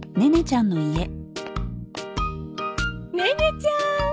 ネネちゃん。